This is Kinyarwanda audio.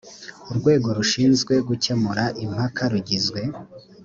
urwego rushinzwe gucyemura impaka rugizwe